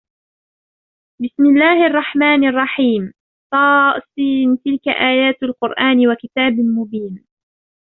بسم الله الرحمن الرحيم طس تلك آيات القرآن وكتاب مبين